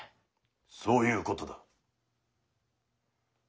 そういうことだ。